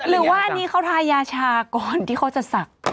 หรือว่านี้เค้าทายาชาก่อนที่เค้าจะสัก